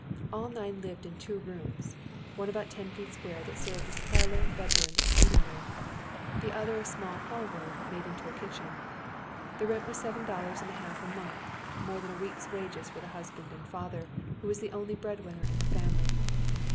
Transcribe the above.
All nine lived in two rooms, one about ten feet square tbat Berved as parlor, bedroom, and eating room, tlie other a small hall i oom made into a kitchen. The rent was seven dol lars and a, half a month, more than a week's wages for the husband and father, wlio was the only bread winner in the family.